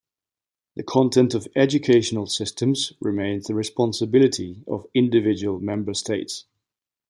The content of educational systems remains the responsibility of individual Member States.